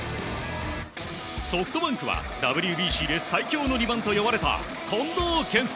ソフトバンクはＷＢＣで最強の２番といわれた近藤健介。